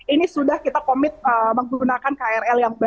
ini sudah kita komit menggunakan krl